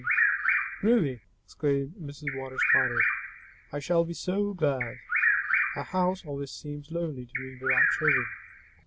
Page 76] "Really?" exclaimed Mrs. Water Spider. "I shall be so glad! A house always seems lonely to me without children."